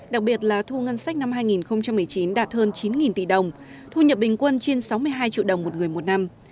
đặc biệt là thu ngân sách năm hai nghìn một mươi chín đạt hơn chín tỷ đồng thu nhập bình quân trên sáu mươi hai triệu đồng một người một năm